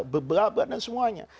beberapa dan semuanya